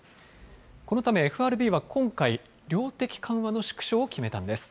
このためＦＲＢは今回、量的緩和の縮小を決めたんです。